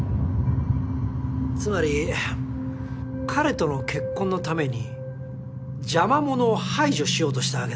つまり彼との結婚のために邪魔者を排除しようとしたわけだ。